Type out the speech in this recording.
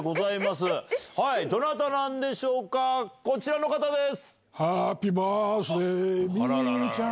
どなたなんでしょうかこちらの方です！